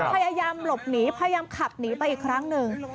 พยายามหลบหนีพยายามขับหนีไปอีกครั้งหนึ่ง